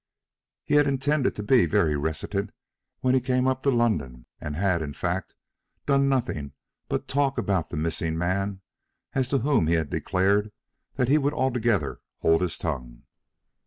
He had intended to be very reticent when he came up to London, and had, in fact, done nothing but talk about the missing man, as to whom he had declared that he would altogether hold his tongue.